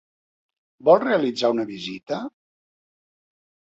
Vol realitzar una visita?